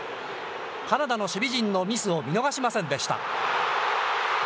カナダの守備陣のミスを見逃しませんでした。